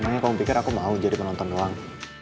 makanya kamu pikir aku mau jadi penonton doang